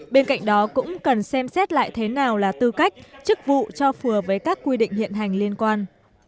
bên cạnh đó cũng cần xem xét lại thế nào là tư cách chức vụ cho phùa với các quy định hiện hành liên quan